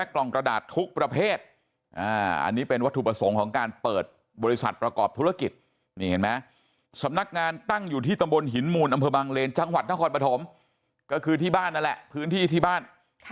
ก็คือที่บ้านนั่นแหละที่บ้าน